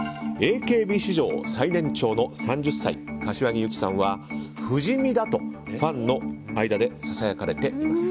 ＡＫＢ史上最年長の３０歳柏木由紀さんは不死身だとファンの間でささやかれています。